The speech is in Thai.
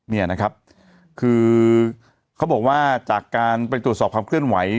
เนี่ยนะครับคือเขาบอกว่าจากการไปตรวจสอบความเคลื่อนไหว